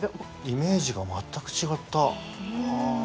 イメージが全く違った。